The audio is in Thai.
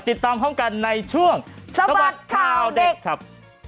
ติดตามพร้อมกันในช่วงสบัดข่าวเด็กครับ